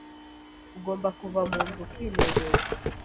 Ugomba kuva munzu ukinezeza.